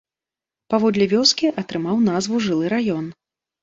Паводле вёскі атрымаў назву жылы раён.